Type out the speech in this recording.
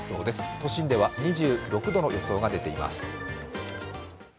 都心では２６度の予想が出ています。